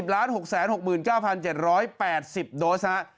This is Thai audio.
๒๐ล้าน๖๖๙๗๘๐โดสนะครับ